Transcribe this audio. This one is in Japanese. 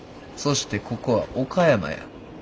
そしてここは岡山や。